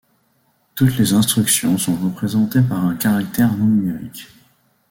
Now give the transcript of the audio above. Toutes les instructions sont représentées par un caractère non numérique.